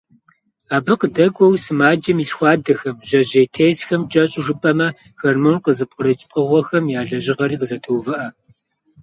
Абы къыдэкӀуэу, сымаджэм и лъхуадэхэм, жьэжьейтесхэм, кӀэщӀу жыпӀэмэ, гормон къызыпкърыкӀ пкъыгъуэхэм я лэжьыгъэри къызэтоувыӀэ.